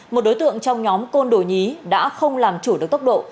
một đối tượng trong nhóm côn đồ nhí đã không làm chủ được tốc độ